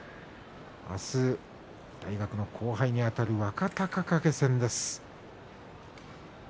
明日、大学の後輩にあたる若隆景戦です。